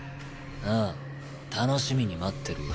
ああ楽しみに待ってるよ。